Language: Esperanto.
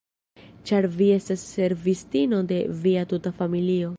Ĉar vi estas servistino de via tuta familio.